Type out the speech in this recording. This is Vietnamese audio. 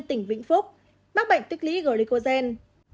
tỉnh vĩnh phúc mắc bệnh tích lý glicogen